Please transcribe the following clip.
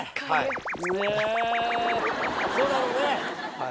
はい。